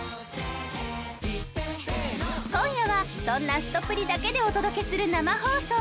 今夜は、そんな、すとぷりだけでお届けする生放送。